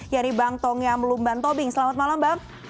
yari bang tongiam lumban tobing selamat malam bang